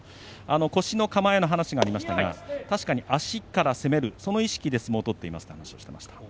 腰の構えの話がありましたが確かに足から攻めるそういう意識で相撲を取っていると話していました。